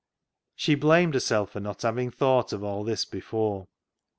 She blamed herself for not having thought of all this before.